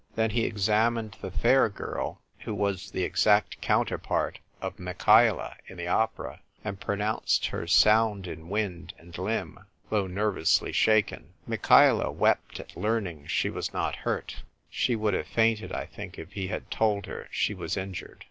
Then he examined the fair girl, who was the exact counterpart of Michaela in the opera, and pronounced her sound in wind and limb, though nervously shaken. Michaela wept at learning she was not hurt; she would have fainted, I think, if he had told her she was injured.